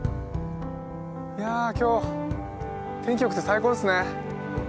いや今日天気よくて最高ですね！